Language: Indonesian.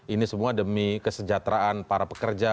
ini semua demi kesejahteraan para pekerja